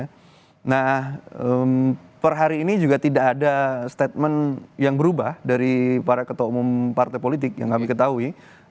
karena per hari ini juga tidak ada statement yang berubah dari para ketua umum partai politik yang kami ketahui